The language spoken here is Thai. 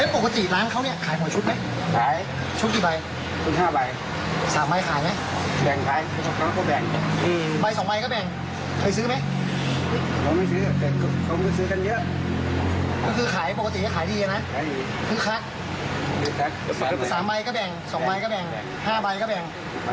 ๓ใบก็แบ่ง๒ใบก็แบ่ง๕ใบก็แบ่ง